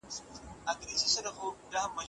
نړيوال سياست به پر سيمه ييزو حالاتو اغېز کوي.